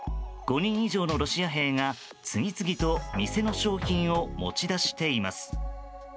５人以上のロシア兵が次々と店の商品を持ち出しています。